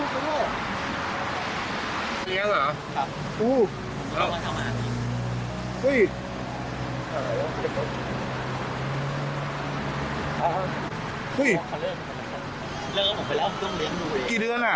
สวัสดีครับนะครับ